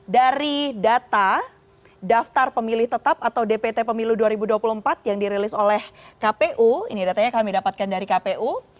dari data daftar pemilih tetap atau dpt pemilu dua ribu dua puluh empat yang dirilis oleh kpu ini datanya kami dapatkan dari kpu